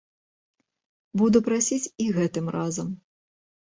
Буду прасіць і гэтым разам.